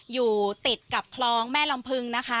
อยู่ติดกับคลองแม่ลำพึงนะคะ